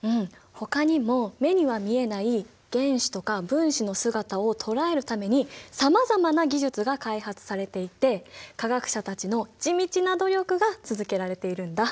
ほかにも目には見えない原子とか分子の姿を捉えるためにさまざまな技術が開発されていて科学者たちの地道な努力が続けられているんだ。